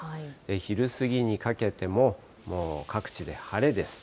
昼過ぎにかけても、もう各地で晴れです。